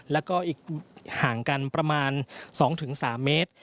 แล้วก็อีกห่างกันประมาณ๒๓เมตร